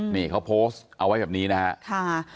นี่เขาโพสต์เอาไว้แบบนี้นะครับ